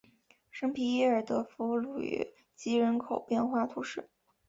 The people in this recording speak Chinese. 圣皮耶尔德弗吕吉人口变化图示